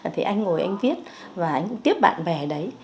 thì anh ngồi anh viết và anh tiếp bạn bè đấy